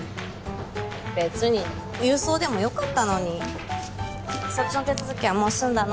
別に郵送でもよかったのにそっちの手続きはもう済んだの？